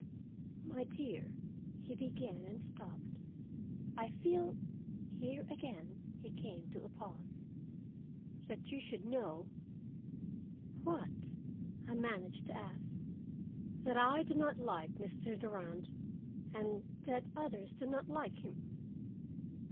"My dear," he began, and stopped. "I feel—" here he again came to a pause—"that you should know—" "What?" I managed to ask. "That I do not like Mr. Durand and—that others do not like him."